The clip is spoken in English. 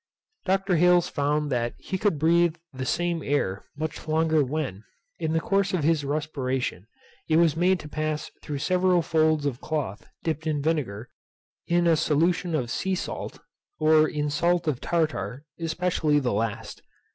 Dr. Hales found that he could breathe the same air much longer when, in the course of his respiration, it was made to pass through several folds of cloth dipped in vinegar, in a solution of sea salt, or in salt of tartar, especially the last.